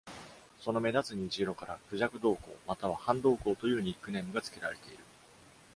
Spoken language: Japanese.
その目立つ虹色から、「クジャク銅鉱」または「斑銅鉱」というニックネームが付けられている。